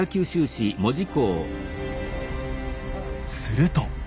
すると。